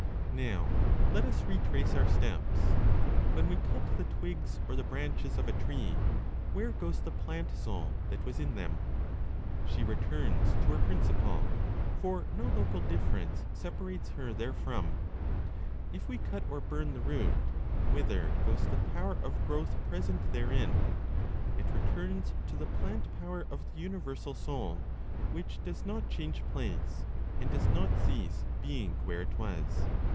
Now, let us retrace our steps. When we cut the twigs or the branches of a tree, where goes the plant soul that was in them? She returns to her principle, for no local difference separates her therefrom. If we cut or burn the root, whither goes the power of growth present therein? It returns to the plant power of the universal Soul, which does not change place, and does not cease being where it was.